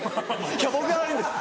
僕が悪いんです